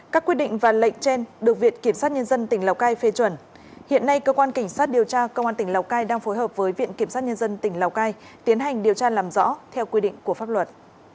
các quyết định và lệnh trên được viện kiểm sát nhân dân tỉnh lào cai phê chuẩn hiện nay cơ quan cảnh sát điều tra công an tỉnh lào cai đang phối hợp với viện kiểm sát nhân dân tỉnh lào cai tiến hành điều tra làm rõ theo quy định của pháp luật